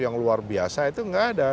yang luar biasa itu nggak ada